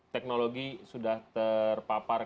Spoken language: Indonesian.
teknologi sudah terpapar